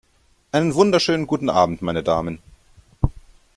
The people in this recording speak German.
Einen wunderschönen guten Abend, meine Damen!